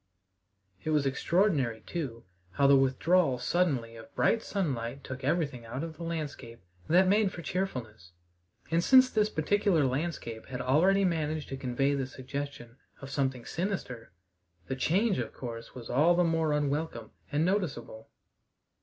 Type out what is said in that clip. It was extraordinary, too, how the withdrawal suddenly of bright sunlight took everything out of the landscape that made for cheerfulness; and since this particular landscape had already managed to convey the suggestion of something sinister, the change of course was all the more unwelcome and noticeable.